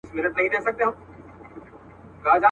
د چا دغه د چا هغه ورته ستايي.